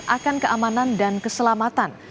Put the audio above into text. akan keamanan dan keselamatan